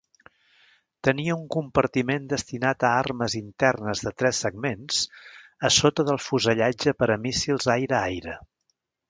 Tenia un compartiment destinat a armes internes de tres segments a sota del fusellatge per a míssils aire-aire.